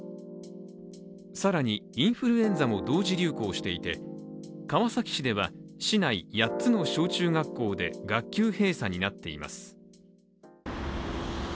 更にインフルエンザも同時流行していて川崎市では市内８つの小中学校で学級閉鎖になっています。